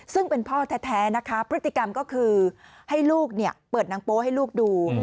ซึ่งเป็นพ่อแท้นะคะพฤติกรรมก็คือให้ลูกเปิดนางโป๊ให้ลูกดู